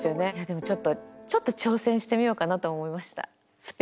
でもちょっとちょっと挑戦してみようかなと思いました。